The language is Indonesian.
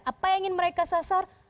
apa yang ingin mereka sasar